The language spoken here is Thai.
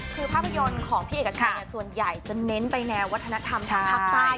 คือภาพยนตร์ของพี่เอกชัยส่วนใหญ่จะเน้นไปแนววัฒนธรรมทางภาคใต้